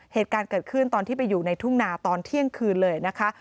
เหตุการณ์เกิดขึ้นตอนที่ไปอยู่ในทุ่งนาตอนเที่ยงคืนเลยนะคะ